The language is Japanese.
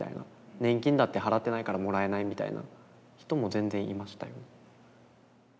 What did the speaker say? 「年金だって払ってないからもらえない」みたいな人も全然いましたよ。